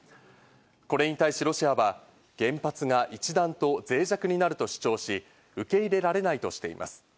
これに対しロシアは原発が一段と脆弱になると主張し、受け入れられないとしています。